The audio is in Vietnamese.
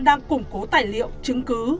đang củng cố tài liệu chứng cứ